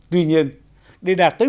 tuy nhiên để đạt tới